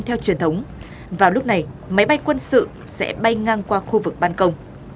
theo truyền thống vào lúc này máy bay quân sự sẽ bay ngang qua khu vực ban công